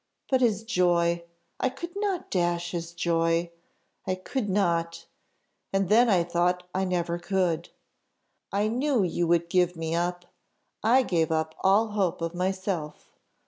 But his joy! I could not dash his joy I could not! and then I thought I never could. I knew you would give me up; I gave up all hope of myself.